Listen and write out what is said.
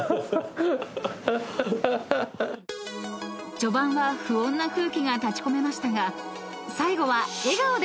［序盤は不穏な空気が立ち込めましたが最後は笑顔で］